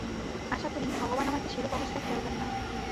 আশা করি, ভগবান আমাকে সেরূপ অবস্থায় ফেলবেন না।